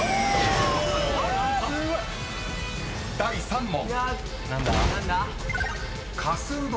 ［第３問］